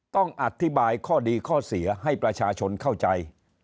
ต้องอธิบายข้อดีข้อเสียให้ประชาชนเข้าใจ